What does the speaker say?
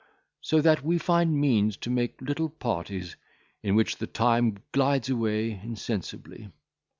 So that we find means to make little parties, in which the time glides away insensibly.